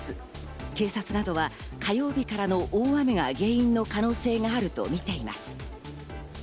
警察などは火曜日からの大雨が原因の可能性もあるとみています。